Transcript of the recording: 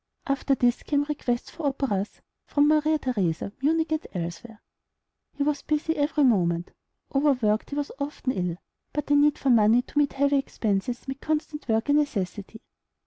After this came requests for operas from Maria Theresa, Munich, and elsewhere. He was busy every moment. Overworked, he was often ill; but the need for money to meet heavy expenses made constant work a necessity.